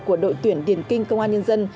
của đội tuyển điển kinh công an nhân dân